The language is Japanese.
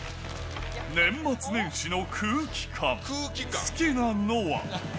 年末年始の空気感、好きなのは。